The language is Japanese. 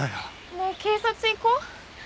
もう警察行こう？